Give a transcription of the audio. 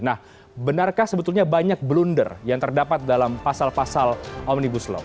nah benarkah sebetulnya banyak blunder yang terdapat dalam pasal pasal omnibus law